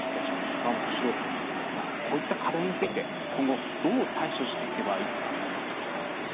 河本志朗さんに聞きますがこういった課題について今後、どう対処していけばいいと考えますか？